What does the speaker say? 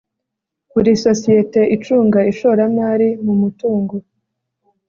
Buri sosiyete icunga ishoramari mu mutungo